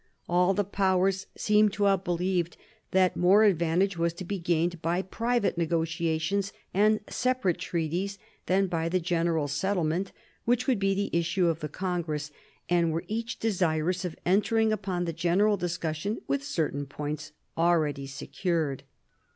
All the Powers seemed 1745 48 WAR OF SUCCESSION 57 to have believed that more advantage was to be gained by private negotiations and separate treaties than by the general settlement which would be the issue of the congress, and were each desirous of entering upon the general discussion with certain points already secured.